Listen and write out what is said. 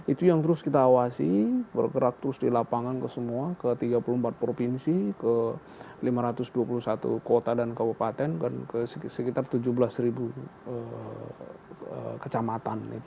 itu yang terus kita awasi bergerak terus di lapangan ke semua ke tiga puluh empat provinsi ke lima ratus dua puluh satu kota dan kabupaten dan ke sekitar tujuh belas kecamatan